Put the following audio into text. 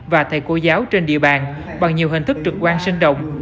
và thầy cô giáo trên địa bàn bằng nhiều hình thức trực quan sinh động